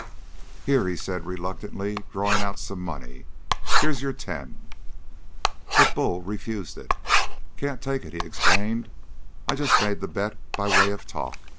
"Here," he said, reluctantly drawing out some money. "Here's your ten." But Bull refused it. "Can't take it," he explained. "I just made the bet by way of talk.